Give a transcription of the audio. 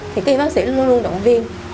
thì các y bác sĩ luôn luôn động viên